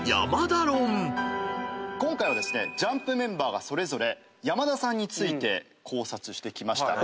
今回はＪＵＭＰメンバーがそれぞれ山田さんについて考察してきました。